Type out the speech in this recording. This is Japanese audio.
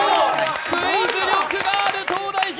クイズ力がある東大寺。